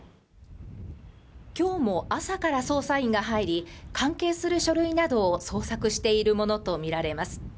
今日も朝から捜査員が入り関係する書類などを捜索しているものと見られます